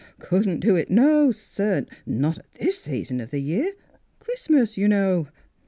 Couldn't do it ; no, sir ; not at this season of the year. Christmas, you know.